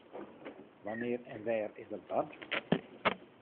Wannear en wêr is dat bard?